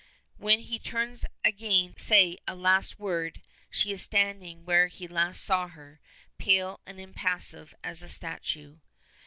When he turns again to say a last word she is standing where he last saw her, pale and impassive as a statue.